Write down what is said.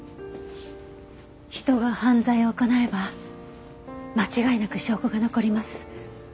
人が犯罪を行えば間違いなく証拠が残ります。